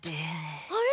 あれ？